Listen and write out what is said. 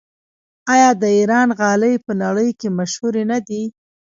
آیا د ایران غالۍ په نړۍ کې مشهورې نه دي؟